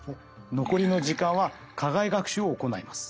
残りの時間は課外学習を行います。